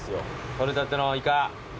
取れたてのイカ。